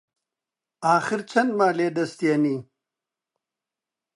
ئاخر چەندمان لێ دەستێنی؟